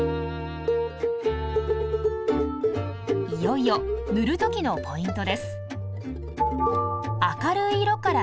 いよいよ塗る時のポイントです。